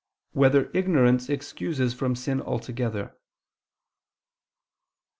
3] Whether Ignorance Excuses from Sin Altogether?